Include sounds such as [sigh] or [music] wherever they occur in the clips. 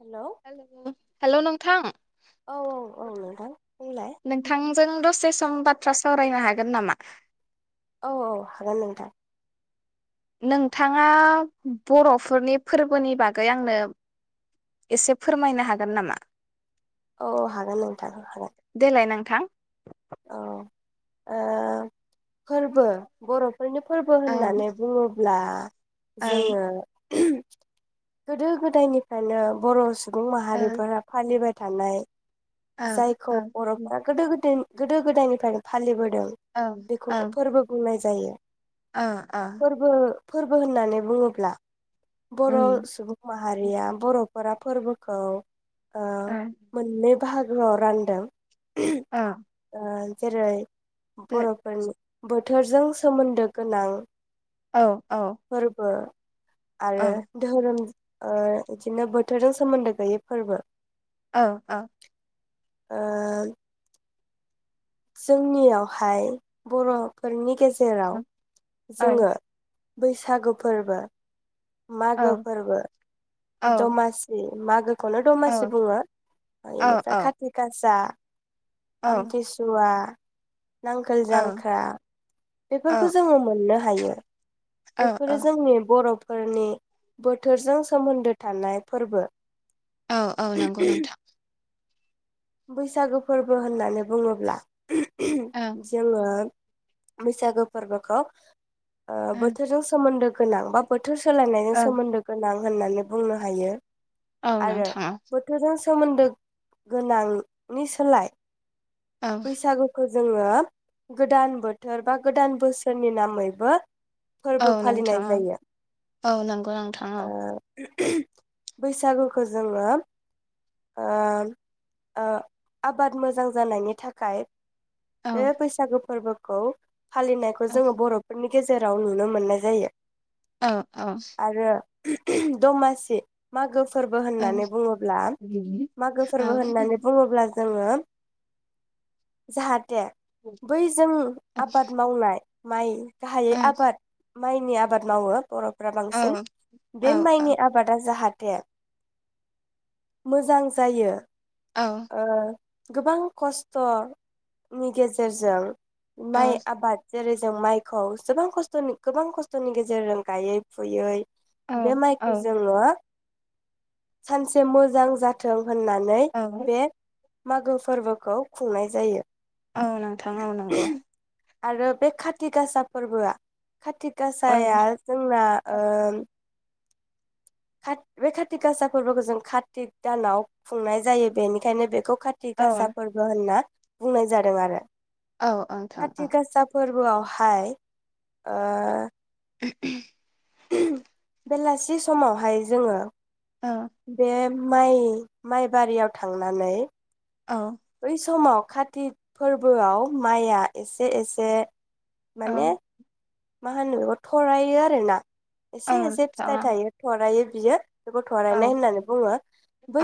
Hello hello hello नोंथां औ औ औ नोंथां बुंलाय नोंथांजों द से सम बाथ्रा सावरायनो हागोन नामा औ औ हागोन नोंथां नोंथाङा बर'फोरनि फोरबोनि बागै आंनो एसे फोरमायनो हागोन नामा औ हागोन नोंथां हागोन थां औ आ फोरबो बर'फोरनि फोरबो औ होननानै बुङोब्ला औ जोङो गोदो गोदायनिफ्रायनो बर' सुबुं औ माहारिफोरा फालिबाय थानाय औ जायखौ बर'फोरा गोदो गोदाय गोदो गोदायनिफ्रायनो फालिबो दों औ बेखौनो फोरबो बुंनाय जायो ओ ओ फोरबो फोरबो होननानै बुङोब्ला बर' उम सुबुं माहारिया बर'फोरा फोरबोखौ ओ ओ मोननै बाहागोआव रानदों ओ ओ जेरै बर'फोरनि बो थोरजों सोमोन्दो गोनां औ फोरबो आरो धोहोरोम ओ बिदिनो बोथोरजों सोमोन्दो गैयै फोरबो औ औ ओ जोंनियावहाय बर'फोरनि गेजे राव औ जोङो बैसागु फोरबो मागो फोरबो औ दमासि मागो खौनो औ दमासि बुङो इनिफ्राय खाति गासा आमथिसुवा नांगोल जांख्रा बेफोरखौ जोङो मोननो हायो औ बेफोरो जोंनि बर' फोरनि बोथोरजों सोमोन्दो थानाय फोरबो औ औ नंगौ नोंथां बैसागो फोरबो होननानै बुङोब्ला औ [unintelligible] जोङो बैसागो फोरबोखौ ओ ओं बोथोरजों सोमोनदो गोनां बा बो थोर सोलायनायजों ओं सोमोन्दो गोनां होननानै बुंनो हायो औ आरो नोंथां बोथोरजों सोमोन्दो गोन नांनि सोलाय औ बैसागुखौ जोङो गोदान बोथोर बा गोदान बोसोरनि नामैबो औ फोरबो नोंथां फालिनाय औ जायो औ नोंगौ थां ओ औ [unintelligible] बैसागुखौ जोङो ओ ओ जोङो आबाद मोजां जानायनि थाखाय बे औ बैसागु फोरबो खौ फालिनायखौ औ जोङो बर'फोरनि गेजेर राव नुनो मोननाय जायो औ औ [unintelligible] दमासि मागो फोरबो ओं होननानै बुङोब्ला मागो औ फोरबो होननानै बुङोब्ला जोङो जाहाथे बैजों आबाद मावनाय माइ गाहायै आबाद माइनि आबाद मावो बर'फोरा औ बांसिन बे माइनि आबादा जाहाथे मोजां जायो ओ गोबां खस्थ'नि गेजेरजों माइ आबाद जेरै जों माइखौ जोबां गोबां खस्थ' गोबां खस्थ'नि गेजेरजों गायै फुयै बे औ माइखौ जोंङो सानसे मोजां जाथों होननानै औ बे मागो फोरबोखौ खुंनाय जायो औ नोंथां औ नंगौ आरो बे खाथि गासा फोरबोआ काति ओं गासाया जोंना ओ कात बे काति गासा फोरबोखौ जों कार्तिक दानाव खुंनाय जायो बेनिखायनो बेखौ खाथि औ गासा फोरबो होनना बुंनाय जादों आरो औ ओंथां औ फोरबोवावहाय ओ [unintelligible] बेलासि समावहाय जोङो औ बे माइ माइबारियाव थांनानै औ बै समाव काति फोरबोआव माइया एसे एसे माने औ मा होनो बेखौ थरायो आरोना औ एसे एसे नोंथां फिथाइ थायो थरायो बियो गथ'आ औ रायनाय होननानै बुङो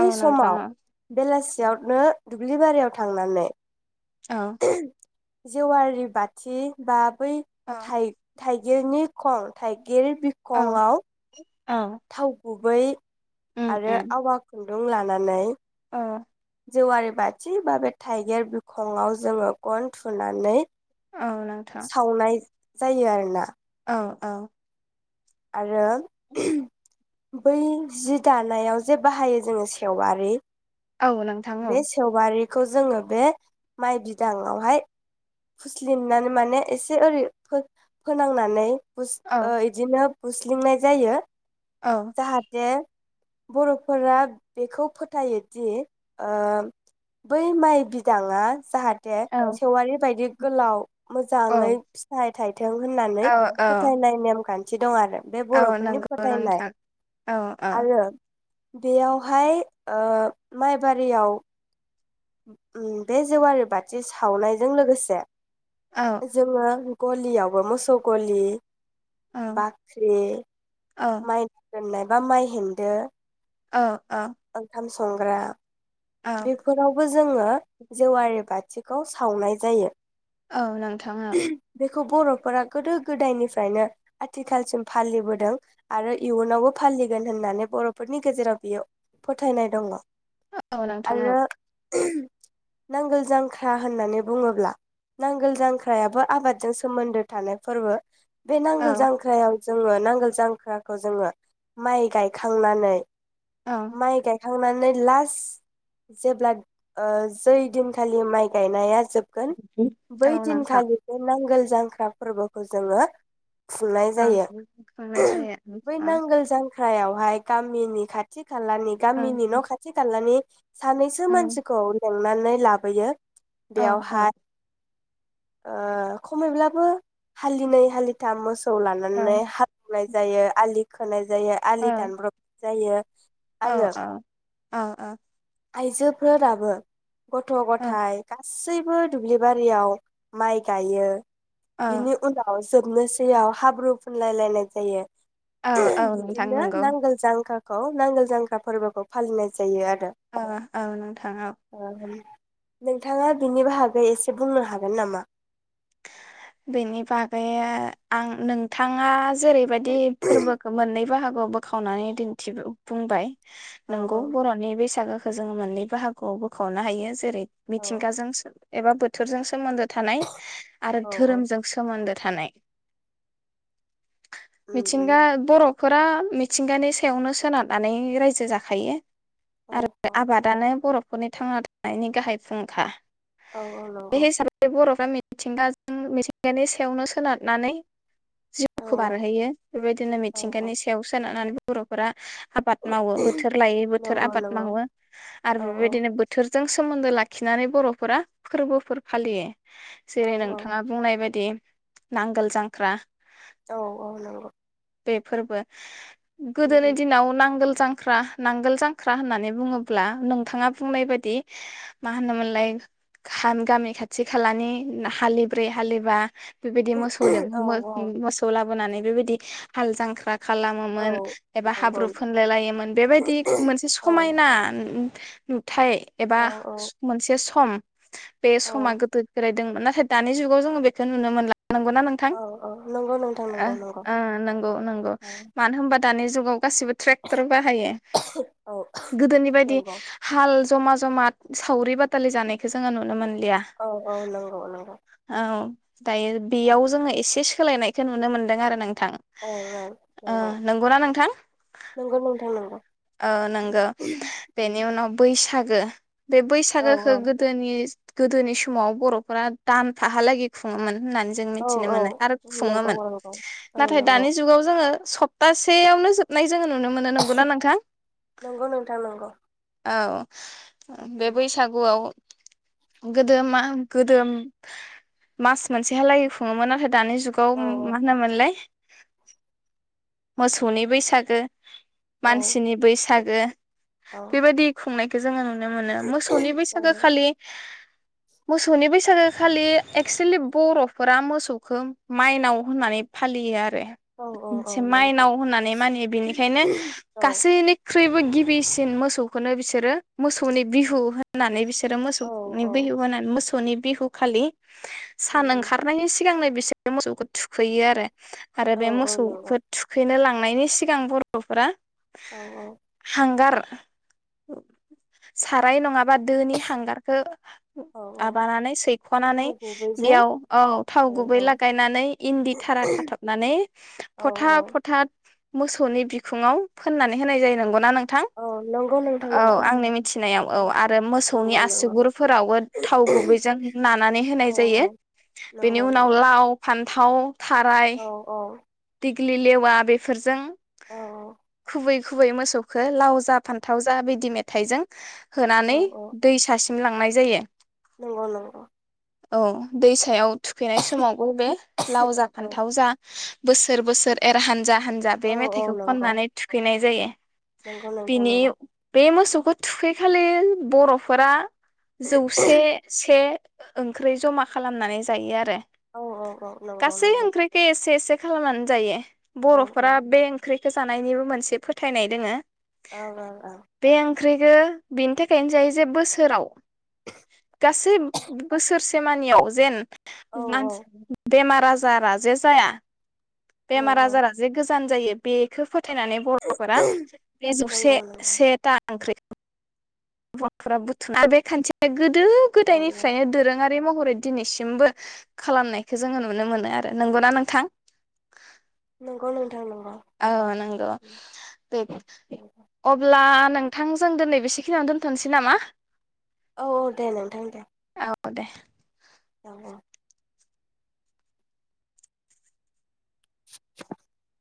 औ नोंथां समाव बेलासि सियावनो दुब्लि बारियाव थांनानै औ जेवारि बाथि बा बै औ थाइ थाइगिरनि खं थाइ गिर औ बिखंआव औ गुबै उम आरो आवा खुन दुं लानानै अ जेवारि बाथि बा बे थाइगिर बिखङाव जोङो गन थुनानै औ नोंथां सावनाय जायो आरो ना औ औ आरो बै जि दानायाव जे बाहायो जोङो सेवारि औ नोंथां औ खौ जोङो बे माइ बिदाङावहाय फुस्लिनानै माने एसे ओरै फोनांनानै हुस औ इदिनो हुस्लिंनाय जायो औ जाहाथे बर'फोरा बेखौ फोथायोदि ओ बै माइ बिदाङा जाहाथे थे औ सेवारि बाय गोलाव औ मोजाङै फिथाइ थाइथों होननानै औ औ फोथायनाय नेमखान्थि बिदि दं आरो। बे औ बर'फोरनि नंगौ फोथायनाय नोंथां औ आरो बेयावहाय ओ माइ बारियाव ओम बे जेवारि बाथि सावनायजों लोगोसे औ जोङो गलियावबो मोसौ गलि औ बाख्रि औ माइ बा माइहेनदो औ। ओंखाम संग्रा औ बेफोरावबो जोङो जेवारि बाथि। खौ सावनाय जायो। औ नोंथाङा बेखौ बर'फोरा गोदो गोदायनिफ्रायनो आथिखालसिम फालिबोदों आरो इयुनावबो फालिगोन होननानै बर'फोरनि गेजेराव बियो फोथायनाय दङ। औ नोंथां औ। आरो नांगोल जांख्रा होननानै बुङोब्ला नांगोल जांख्रायाबो आबादजों सोमोन्दो थानाय फोरबो बे नांगोल औ जांख्रायाव जोङो नांगोल जांख्राखौ जोङो माइ गायखांनानै। औ माइ गाय खांनानै लास जेब्ला ओ जै दिनखालि माइ गायनाया जोबगोन बै औ नोंथां दिनखालि नांगोल जांख्रा फोरबोखौ जोङो। खुंनाय औ जायो संनाय जायो बै ओ नांगोल जां ख्रायावहाय गामिनि खाथि खाथि खालानि ओ गामिनि न' खाथि खालानि सानैसो ओ मानसिखौ नानै लाबोयो औ औ बेवहाय ओ खमैब्लाबो हालिनै हालिथाम मोसौ खौ औ लानानै हालौनाय जायो आलि खोनाय जायो औ आलि दानब्रब जायो औ आरो औ ओ ओ आइजोफोराबो गथ' गथाय गासै सैबो दुब्लि बारियाव माइ गायो औ बिनि उनाव जोबनोसैयाव हाब्रु फुनलाय लायनाय जायो औ औ नोंथां बिदिनो नंगौ नांगोल जांख्रा खौ नांगोल जांग्रा फोरबोखौ फालिनाय जायो आरो औ औ नोंथां औ नोंथाङा बिनि बाहागै एसे बुंनो हागोन नामा? बेनि बागै आं नोंथाङा जेरैबायदि फोरबोखौ मोननै बाहाग खौ बोखावनानै दिन्थि बुंबाय औ नोंगौ बर'नि बैसागो जोङो मोननै बाहागोआव बोखावनो हायो जेरै औ मिथिंगाजोंसो एबा बोथोरजों सोमोन्दो थानाय औ औ धोरोमजों सोमोन्दो थानाय उम उम मिथिंगा बर' फोरा मिथिंगानि सायावनो सोनारनानै रायजो जाखायो औ आरो औ आबादानो बरफ न'खरनि थांना थानायनि गाहाय फुंखा औ औ बे नंगौ हिसाबै बरफ बा मिथिंगाजो मिथिंगानि सायावनो सोनारनानै औ जिउखौ बारहोयो बेबायदिनो औ औ मिथिंगानि सायाव सोनारनानै बर'फोरा आबाद मावो बोथोर लायै बोथोर नंगौ आबाद नंगौ मावो आरो औ बेबायदिनो बोथोर जों सोमोन्दो लाखिनानै बर'फोरा फोरबोफोर फालियो औ जेरै औ नोंग नाय बायदि नांगोल जांख्रा औ औ नंगौ बे फोरबो गोदोनि दिनाव नांगोल जांख्रा नांगोल जांख्रा होननानै बुङोब्ला नोंथाङा बुंनाय बायदि मा होनोमोनलाय गामि खाथि खालानि हालि ब्रै हालिबा बेबायदि औ औ मोसौदोंबो औ मोसौ लाबोनानै बेबायदि हाल जांख्रा खालामोमोन एबा नंगौ हाब्रु फुनलाय लायोमोन बेबायदि मोनसे औ समायना [unintelligible] थाय एबा औ मोनसे सम बे औ समा गोदो बोरायदोंमोन नाथ दानि जुगाव जोङो बेखौ नुनो मोनला । नंगौ ना नोंथां औ औ नंगौ नोंथां नंगौ नंगौ ओ नंगौ नंगौ औ मानो होनबा दानि जुगाव गासिबो ट्रेक्टर बाहायो औ गोदोनि बायदि नंगौ हाल जमा जमा सावरि बालि जानायखौ जोङो नुनो मोन औ औ नंगौ नंगौ औ दायो औ बेयाव जोङो एसे सोलायनायखो नुनो मोनदों आरो नों थां औ ओ नोंगौना नोंथां नंगौ नंगौ नोंथां नंगौ ओ नोंगो बेनि उनाव बैसाग गो बे औ बैसागोखो गोदोनि गोदोनि समाव बर'फोरा दानफा हालागै खुङोमोन । होननानै जों औ मोनथिनो औ मोनो आरो नंगौ खुङोमोन नंगौ औ नाथाय नंगौ दानि जुगाव जोङो सब तासेयावनो जोबनाय जोङो नुनो मोनो नंगौना नोंथां? नंगौ नोंथां नंगौ औ ओ बे बैसागुआव गोदोमा गोदोम मास मोनसेहा लागै खुङोमोन फा दानि जुगाव औ मा होनोमोनलाय? मोसौनि बैसागो औ मानसिनि बैसागो औ बेबायदि खुंनाय खो जोङो। नुनो मोनो मोसौनि औ बैसागो खालि मोसौनि बैसागो खालि एक्सुलि बर'फोरा मोसौखौ माइनाव होननानै फालियो आ रो औ औ औ मोनसे नंगौ माइनाव होननानै मानियो बिनिखायनो औ गासैनिख्रुइबो गि बिसिन मोसौखौनो बिसोरो मोसौनि बिहु होननानै बिस रो औ मोसौनि औ [unintelligible] मोसौ सौनि बिहु खालि सान नंगौ ओंखारनायनि सिगांनो बेसेरो मोसौखौ थुखैयो आरो आरो बे औ मोसौखो थुखैनो लां थांनायनि सिगां बर'फोरा औ हांगार साराय नङा बा दोनि हांगारखौ औ औ माबानानै सै नानै थाव गुबैजों बेयाव औ थाव गुबै लागायनानै इन्दि थारा खाथबनानै औ फथा औ फथा मोसौनि बिखुङाव फोननानै होनाय जायो नंगौना नों थां औ नंगौ नोंथां औ नंगौ आंनि मिथिनायाव औ आरो मोसौनि नंगौ नंगौ आसुगुरफोरावबो थाव गुबैजों नानै होनाय औ जायो औ बेनि नंगौ उनाव नंगौ लाव फान्थाव फान्थाव थाराय औ दिग ग्लि लेवा बेफोरजों औ खुबै खुबै मोसौखो लाव जा फान्थाव जा बिदि मेथाइजों औ होनानै औ दै सासिम लांनाय जायो। नंगौ नंगौ। औ दैसायाव थुखैनाय समावबो बे लाव जा, औ फान्थाव जा बोसोर बोसोर एर हान्जा हान्जा औ बे औ मेथाइखौ नंगौ खननानै थुखैनाय जायो। नंगौ नोंथां बिनि नंगौ बेे मोसौ खौ थुखैखालि बर'फोरा जौसे से ओंख्रै जमा खालामनानै जायो आरो। औ औ औ नंगौ गासै नंगौ ओंख्रैखो एसे एसे खालामनानै जायो। औ औ बर'फोरा बे ओंख्रै खो जानायनिबो मोनसे फोथायनाय दोङो। औ औ औ ख्रिखो बेनि थाखायनो जायो जे बोसोराव गासिब बोसोरसे मानियाव जेन औ मानस [inaudible] बेमार बाजारा जे जाया औ बेमार औ आजारा जे गोज जान जायो बेखो फो थायनानै बर'फोरा बे जौसे नंगौ नंगौ सेथा ओंख्रि बर'फोरा [inaudible] गोद दो औ औ गोदायनिफ्रायनो दोरोङा रै महरै दिनैसिमबो खालामनायखो जोङो नुनो मोनो आरो नंगौना नोंथां? नंगौ नं औ नोंगौ बे‌ अब्ला नोंथां जों दोनै बेसेखिनियावनो दोन्थ'नोसै नामा औ औ दे नोंथां दे। औ दे औ [inaudible]